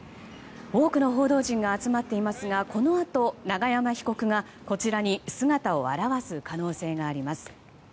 多くの報道陣が集まっていますがこのあと永山被告が、こちらに姿を現す可能性があります。